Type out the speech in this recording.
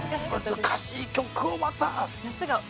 難しい曲をまた。